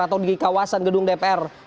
atau di kawasan gedung dpr